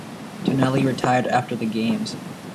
Tonelli retired after the Games.